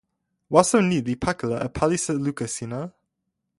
waso ni li pakala e palisa luka sina.